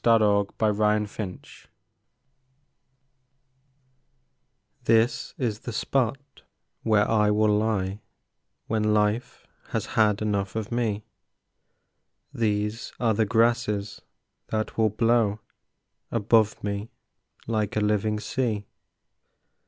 In a Burying Ground This is the spot where I will lie When life has had enough of me, These are the grasses that will blow Above me like a living sea.